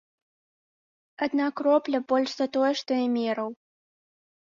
Адна кропля больш, за тое, што я мераў.